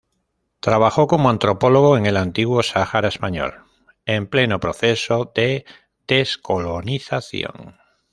Trabajó como antropólogo en el antiguo Sahara español en pleno proceso de descolonización.